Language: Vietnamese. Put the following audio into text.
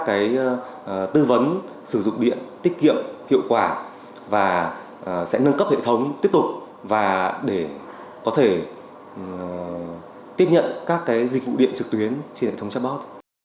cái tư vấn sử dụng điện tiết kiệm hiệu quả và sẽ nâng cấp hệ thống tiếp tục và để có thể tiếp nhận các dịch vụ điện trực tuyến trên hệ thống chatbot